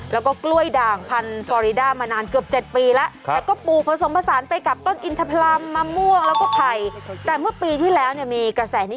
แล้วก็กล้วยด่างพันธุ์ฟอริดามานานเกือบเจ็ดปีแล้วค่ะ